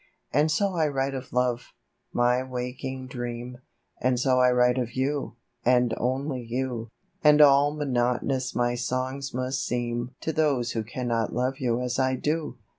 And so I write of Love — my waking dream, And so I write of you, and only you. And all monotonous my songs must seem To those who cannot love you as I do.